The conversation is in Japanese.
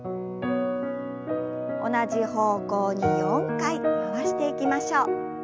同じ方向に４回回していきましょう。